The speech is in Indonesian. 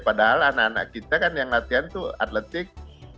padahal anak anak kita kan yang latihan tuh atletik